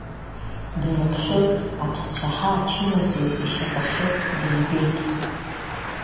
Даныԥшы, аԥсцәаҳа ачымазаҩ ишьапахьы дибеит.